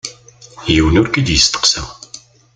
Yiwen ur k-id-isteqsa.